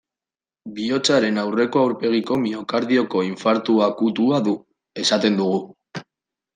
Bihotzaren aurreko aurpegiko miokardioko infartu akutua du, esaten dugu.